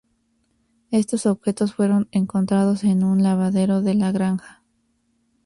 Estos objetos fueron encontrados en un lavadero de la granja.